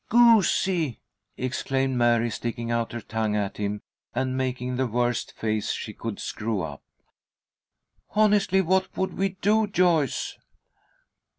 "Goosey!" exclaimed Mary, sticking out her tongue at him and making the worst face she could screw up. "Honestly, what would we do, Joyce?"